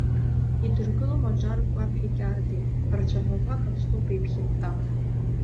Идыргылом аҿар кәаԥи кьардеи, рцәаҳәақәа каԥсоуп еиԥхьытта.